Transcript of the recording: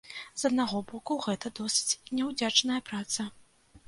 З аднаго боку, гэта досыць няўдзячная праца.